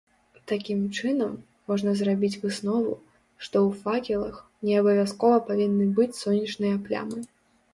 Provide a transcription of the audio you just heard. Такім чынам можна зрабіць выснову, што ў факелах не абавязкова павінны быць сонечныя плямы.